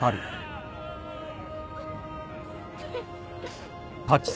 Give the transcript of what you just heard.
フッ。